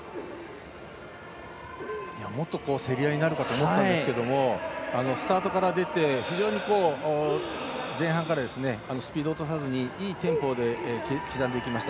もっと競り合いになるかと思ったんですがスタートから出て非常に前半からスピードを落とさずにいいテンポで刻んでいきました。